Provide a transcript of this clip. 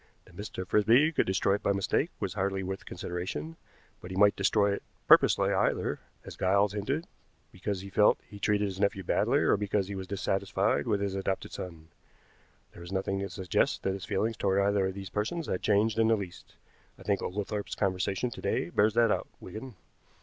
That Mr. Frisby could destroy it by mistake was hardly worth consideration, but he might destroy it purposely either, as Giles hinted, because he felt he had treated his nephew badly, or because he was dissatisfied with his adopted son. There is nothing to suggest that his feelings toward either of these persons had changed in the least. I think Oglethorpe's conversation to day bears that out, Wigan."